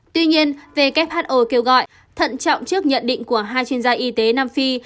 tuy nhiên who kêu gọi thận trọng trước nhận định của hai chuyên gia y tế nam phi